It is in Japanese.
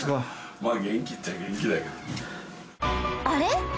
あれ？